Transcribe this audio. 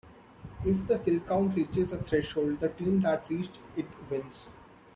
If the killcount reaches a threshold, the team that reached it wins.